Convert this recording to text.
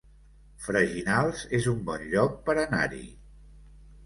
Freginals es un bon lloc per anar-hi